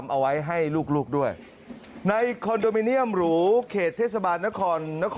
เอาไว้ให้ลูกด้วยในคอนโดมิเนียมหรูเขตเทศบาลนครนคร